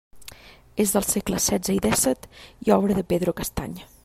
És del segle setze i dèsset i obra de Pedro Castany.